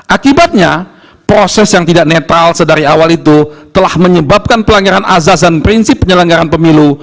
akibatnya proses yang tidak netral sedari awal itu telah menyebabkan pelanggaran azaz dan prinsip penyelenggaran pemilu